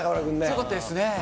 強かったですね。